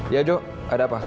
ya jo ada apa